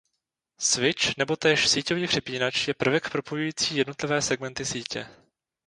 Switch nebo též síťový přepínač je prvek propojující jednotlivé segmenty sítě.